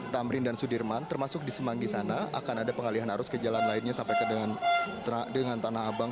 tamrin dan sudirman termasuk di semanggi sana akan ada pengalihan arus ke jalan lainnya sampai dengan tanah abang